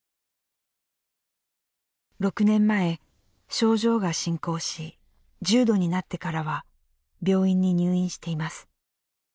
６年前、症状が進行し重度になってからは病院に入院しています。